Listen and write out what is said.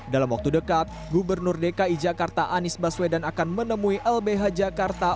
dalam waktu dekat gubernur dki jakarta anies baswedan akan menemui lbh jakarta